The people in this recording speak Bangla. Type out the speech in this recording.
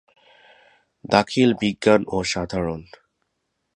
দাখিল বিজ্ঞান ও সাধারণ।